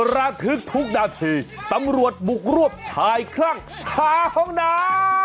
ระทึกทุกนาทีตำรวจบุกรวบชายคลั่งค้าห้องน้ำ